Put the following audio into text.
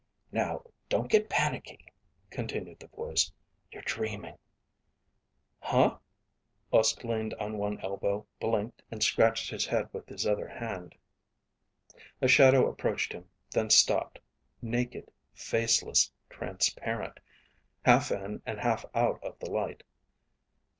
"Now don't get panicky," continued the voice. "You're dreaming." "Huh?" Uske leaned on one elbow, blinked, and scratched his head with his other hand. A shadow approached him, then stopped, naked, faceless, transparent, half in and half out of the light.